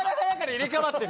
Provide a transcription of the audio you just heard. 入れ替わってるよ。